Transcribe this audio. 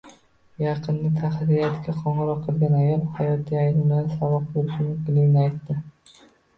Yaqinda tahririyatga qo`ng`iroq qilgan ayol, hayoti ayrimlarga saboq bo`lishi mumkinligini aytdi